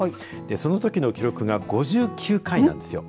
そのときの記録が５９回なんですよ。